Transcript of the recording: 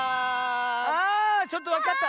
あちょっとわかった。